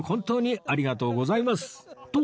ありがとうございます。